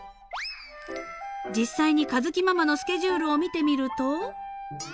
［実際に佳月ママのスケジュールを見てみると］